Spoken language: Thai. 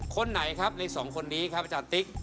คนไหนครับในสองคนนี้ครับอาจารย์ติ๊ก